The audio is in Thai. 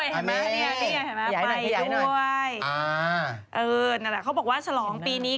ไหนนี่ไปด้วยเออแล้วเค้าบอกว่าฉลองปีนี้